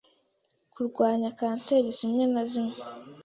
Kurwanya kanseri zimwe na zimwe